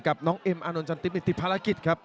กับน้องเอ็มอานนท์จันติมนี่ติดภารกิจครับ